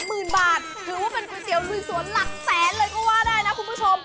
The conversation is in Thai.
หมื่นบาทถือว่าเป็นก๋วยเตี๋ยวลุยสวนหลักแสนเลยก็ว่าได้นะคุณผู้ชม